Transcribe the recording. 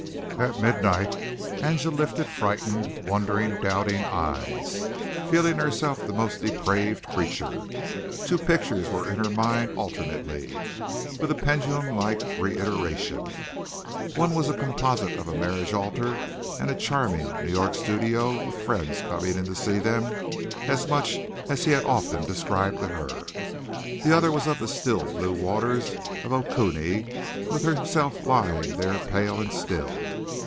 At midnight Angela lifted frightened, wondering, doubting eyes, feeling herself the most depraved creature. Two pictures were in her mind alternately and with pendulum like reiteration. One was a composite of a marriage altar and a charming New York studio with friends coming in to see them much as he had often described to her. The other was of the still blue waters of Okoonee with herself lying there pale and still.